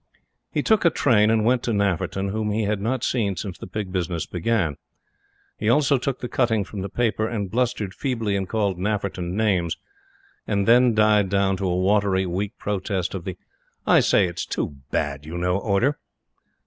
He took a train and went to Nafferton, whom he had not seen since the Pig business began. He also took the cutting from the paper, and blustered feebly and called Nafferton names, and then died down to a watery, weak protest of the "I say it's too bad you know" order.